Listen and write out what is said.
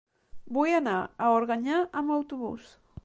Vull anar a Organyà amb autobús.